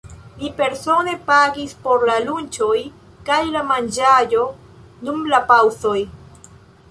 Mi persone pagis por la lunĉoj kaj la manĝaĵo dum la paŭzoj.